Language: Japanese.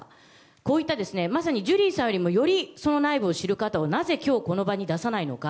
こういったまさにジュリーさんよりもより内部を知る方をなぜ今日、この場に出さないのか。